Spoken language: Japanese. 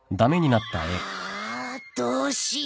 ああどうしよう。